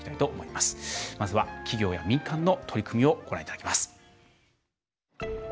まずは企業や民間の取り組みをご覧いただきます。